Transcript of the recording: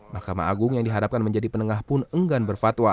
mahkamah agung yang dihadapkan menjadi penengah pun enggan berfatwa